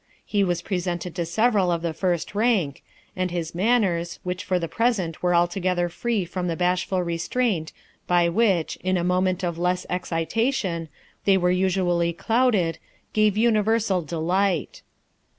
He was presented to several of the first rank, and his manners, which for the present were altogether free from the bashful restraint by which, in a moment of less excitation, they were usually clouded, gave universal delight.